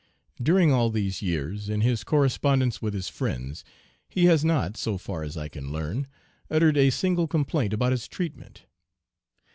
"'During all these years, in his correspondence with his friends, he has not, so far as I can learn, uttered a single complaint about his treatment.'